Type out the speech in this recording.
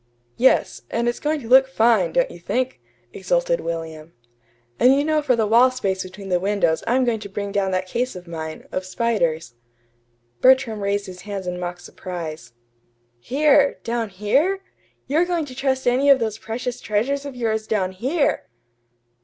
"Yes; and it's going to look fine; don't you think?" exulted William. "And you know for the wall space between the windows I'm going to bring down that case of mine, of spiders." Bertram raised his hands in mock surprise. "Here down here! You're going to trust any of those precious treasures of yours down here!"